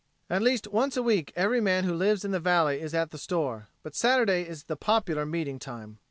At least once a week every man who lives in the valley is at the store, but Saturday is the popular meeting time.